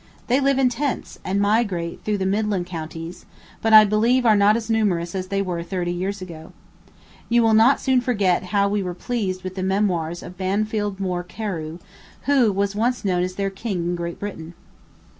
They live in tents, and migrate through the midland counties, but I believe are not as numerous as they were thirty years ago. You will not soon forget how we were pleased with the memoirs of Bamfield Moore Carew, who was once known as their king in Great Britain.